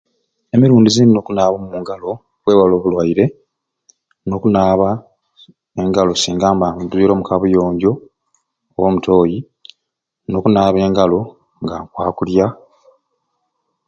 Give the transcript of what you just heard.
Emirundi zinyina okunaaba omu ngalo okwewala obulwaire nina okunaaba omu ngalo singa mba nzwire omu kabuyonjo oba omu tooyi, nina okunaaba nga nkwakulya.